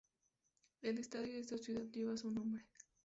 El estadio de esta ciudad lleva su nombre.